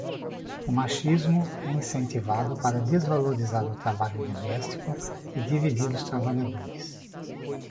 O machismo é incentivado para desvalorizar o trabalho doméstico e dividir os trabalhadores